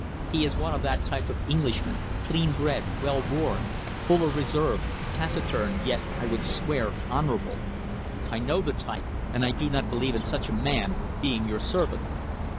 He is one of that type of Englishmen, clean bred, well born, full of reserve, taciturn, yet, I would swear, honourable. I know the type, and I do not believe in such a man being your servant."